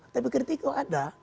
tapi kritik itu ada